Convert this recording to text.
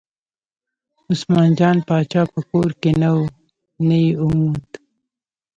عثمان جان پاچا په کور کې نه و نه یې وموند.